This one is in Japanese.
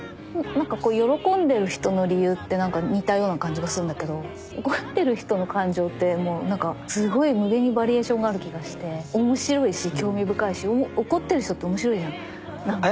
なんか喜んでる人の理由って似たような感じがすんだけど怒ってる人の感情ってもうなんかすごい無限にバリエーションがある気がして面白いし興味深いし怒ってる人って面白いじゃんなんか。